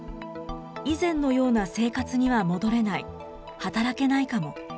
以前のような生活には戻れない、働けないかも。